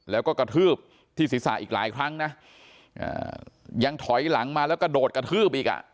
แล้วก็กระทืบที่ศีรษะอีกหลายครั้งนะยังถอยหลังมาแล้วกระโดดกระทืบอีกอ่ะ